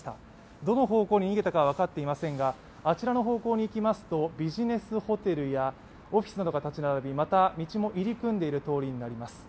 どの方向に逃げたかは分かっていませんが、あちらの方向に行きますとビジネスホテルやオフィスなどが建ち並び、また、道も入り組んでいる通りになります。